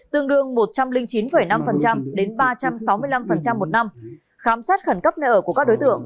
tương đương một trăm linh chín năm đến ba trăm sáu mươi năm một năm khám xét khẩn cấp nơi ở của các đối tượng